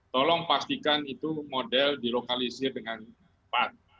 tolong pastikan itu model dilokalisir dengan cepat